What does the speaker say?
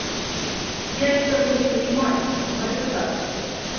Я этого не понимаю, но это так.